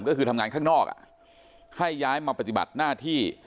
ก็คือทำงานข้างนอกให้ย้ายมาปฏิบัติหน้าที่